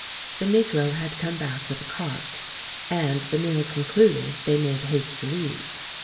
The negro had come back with a "cart"; and, the meal concluded, they made haste to leave.